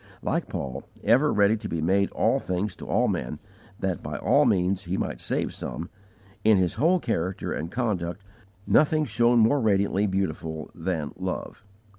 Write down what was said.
Like Paul, ever ready to be made all things to all men that by all means he might save some, in his whole character and conduct nothing shone more radiantly beautiful, than Love.